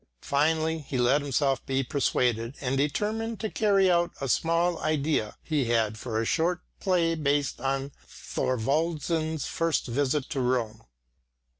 Finally he let himself be persuaded and determined to carry out a small idea he had of a short play based on Thorwaldson's first visit to Rome.